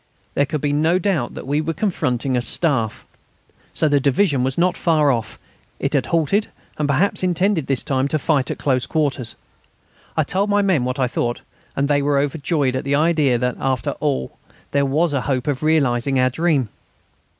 There could be no doubt that we were confronting a Staff. So the division was not far off; it had halted, and perhaps intended this time to fight at close quarters. I told my men what I thought, and they were overjoyed at the idea that, after all, there was a hope of realising our dream.